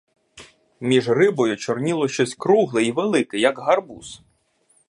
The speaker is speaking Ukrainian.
Між рибою чорніло щось кругле й велике, як гарбуз.